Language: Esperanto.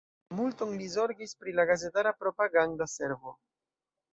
Multon li zorgis pri la gazetara propaganda servo.